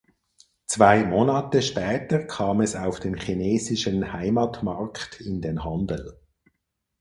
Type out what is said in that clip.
Zwei Monate später kam es auf dem chinesischen Heimatmarkt in den Handel.